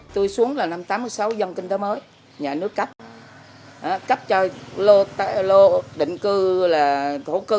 tôi xuống là năm tám mươi sáu dân kinh tế mới nhà nước cấp cấp cho lô tài lô